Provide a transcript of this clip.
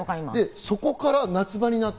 そこから夏場になって。